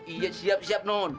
iya siap siap non